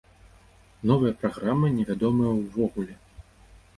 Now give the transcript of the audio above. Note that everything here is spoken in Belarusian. Новая праграма невядомая ўвогуле.